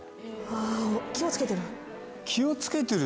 気を付けてる？